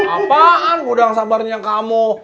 apaan gudang sabarnya kamu